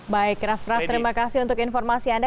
baik raff raff terima kasih untuk informasi anda